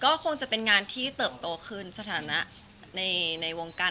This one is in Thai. ก็คงจะเป็นงานที่เติบโตขึ้นสถานะในวงการ